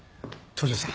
東城さん。